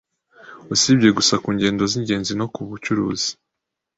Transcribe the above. usibye gusa ku ngendo z'ingenzi no ku bucuruzi.